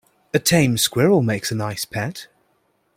A tame squirrel makes a nice pet.